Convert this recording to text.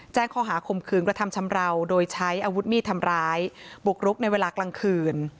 แจ้งข้อหาคมคืนกระทำชำราวโดยใช้อาวุธมีดทำร้ายบุกรุกในเวลากลางคืน